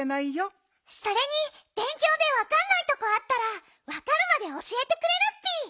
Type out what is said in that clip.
それにべんきょうでわかんないとこあったらわかるまでおしえてくれるッピ。